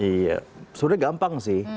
iya sebenarnya gampang sih